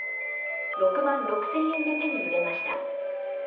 ６万６０００円で手に入れました。